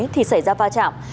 thì xảy ra va chạm